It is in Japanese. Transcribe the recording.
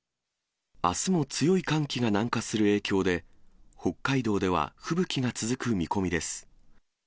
あすも強い寒気が南下する影響で、北海道では吹雪が続く見込みです。